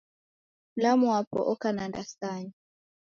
Mlamu wapo oka na ndasanya